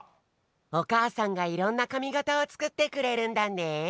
おかあさんがいろんなかみがたをつくってくれるんだね。